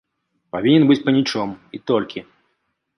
Павінен быць панічом, і толькі.